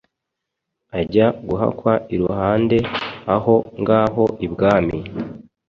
Ajya guhakwa iruhande aho ngaho ibwami